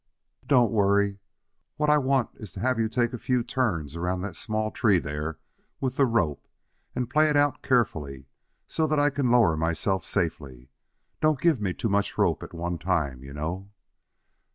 "Don't worry. What I want is to have you take a few turns around that small tree there with the rope, and pay it out carefully, so that I can lower myself safely. Don't give me too much rope at one time, you know."